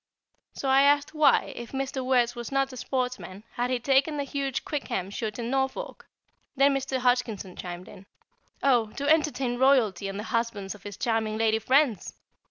So I asked why, if Mr. Wertz was not a sportsman, had he taken the huge Quickham shoot in Norfolk? Then Mr. Hodgkinson chimed in: "Oh! to entertain Royalty and the husbands of his charming lady friends!"